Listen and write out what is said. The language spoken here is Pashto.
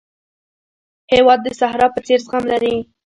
هېواد د صحرا په څېر زغم لري.